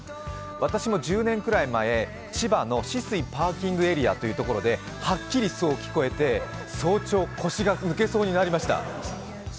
私も１０年くらい前、千葉の酒々井パーキングエリアというところではっきり、そう聞こえて、早朝腰が抜けそうになりました。